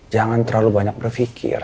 jangan terlalu banyak berfikir